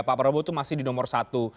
pak prabowo itu masih di nomor satu